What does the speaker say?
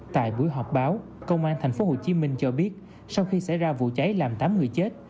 tại buổi họp báo công an tp hcm cho biết sau khi xảy ra vụ cháy làm tám người chết